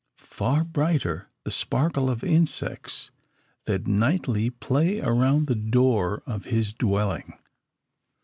Far brighter the sparkle of insects that nightly play around the door of his dwelling.